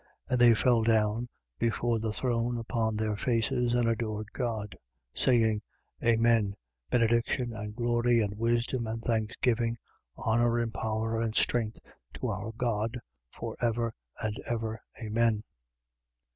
And they fell down before the throne upon their faces and adored God, 7:12. Saying: Amen. Benediction and glory and wisdom and thanksgiving, honour and power and strength, to our God, for ever and ever. Amen.